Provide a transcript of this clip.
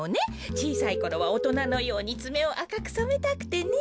ちいさいころはおとなのようにつめをあかくそめたくてね。